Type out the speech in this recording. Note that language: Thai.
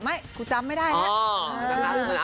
ไม่กูจำไม่ได้นะ